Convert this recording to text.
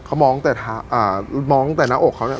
เขามองแต่หน้าอกเขาเนี่ย